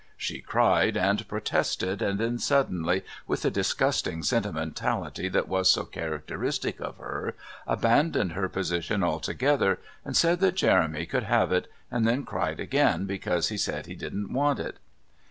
She cried and protested and then suddenly, with the disgusting sentimentality that was so characteristic of her, abandoned her position altogether and said that Jeremy could have it, and then cried again because he said he didn't want it.